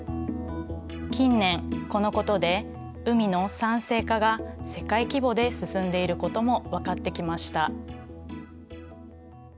近年このことで海の酸性化が世界規模で進んでいることもわかってきました。